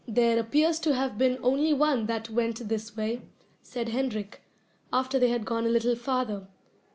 "There appears to have been only one that went this way," said Hendrik, after they had gone a little farther.